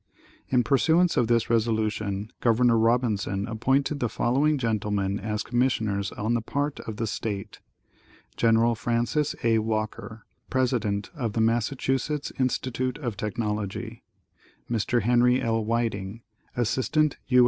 In pursuance of this resolution Gov. Robinson appointed the following gentlemen as commissioners on the part of the State : Gen. Francis A. Walker, President of the Massachusetts Institute of Technology, Mr. Henry L. Whiting, Assistant U.